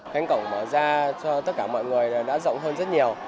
khánh cổng mở ra cho tất cả mọi người là đã rộng hơn rất nhiều